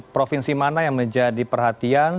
provinsi mana yang menjadi perhatian